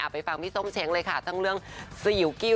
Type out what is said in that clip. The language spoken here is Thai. ไปฟังพี่ส้มเช้งเลยค่ะทั้งเรื่องสยิวกิ้ว